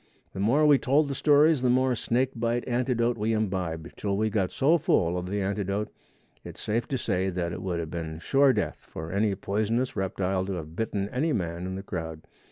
The more we told the stories the more snake bite antidote we imbibed, till we got so full of the antidote it's safe to say that it would have been sure death for any poisonous reptile to have bitten any man in the crowd.